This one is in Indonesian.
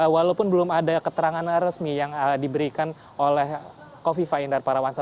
walaupun belum ada keterangan resmi yang diberikan oleh kofifa indar parawansa